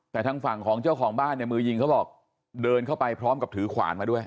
แต่ทางฝั่งของเจ้าของบ้านเนี่ยมือยิงเขาบอกเดินเข้าไปพร้อมกับถือขวานมาด้วย